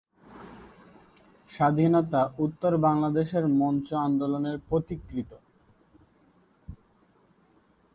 স্বাধীনতা উত্তর বাংলাদেশের মঞ্চ আন্দোলনের পথিকৃৎ।